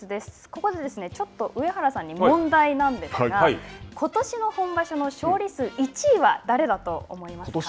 ここでちょっと上原さんに問題なんですが、ことしの本場所の勝利数１位は誰だと思いますか。